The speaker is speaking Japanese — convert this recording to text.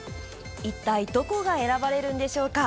一体どこが選ばれるんでしょうか？